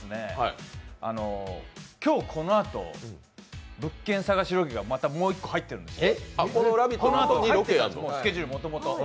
今日このあと、物件探しロケがまたもう１個入ってるんですよ、スケジュールもともと。